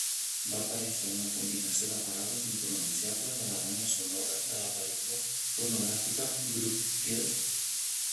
Va aparèixer una combinació de paraules "impronunciables" a la banda sonora de la pel·lícula pornogràfica "Grub Girl".